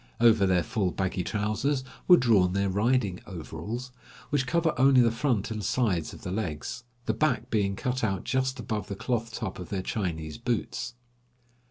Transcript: Over their full baggy trousers were drawn their riding overalls, which cover only the front and sides of the legs, the back being cut out just above the cloth top of their Chinese boots.